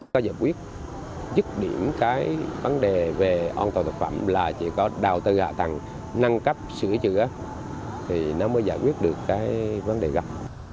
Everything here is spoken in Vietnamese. có giải quyết dứt điểm cái vấn đề về an toàn thực phẩm là chỉ có đầu tư hạ tầng nâng cấp sửa chữa thì nó mới giải quyết được cái vấn đề gặp